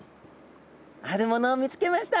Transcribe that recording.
あるものを見つけました。